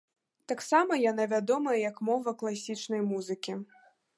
Таксама яна вядомая як мова класічнай музыкі.